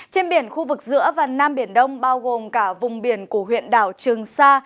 trên biển khu vực giữa và nam biển đông bao gồm cả vùng biển của huyện đảo trường sa